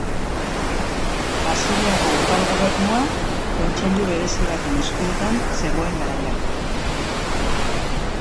Basileako udal gobernua kontseilu berezi baten eskuetan zegoen garai hartan.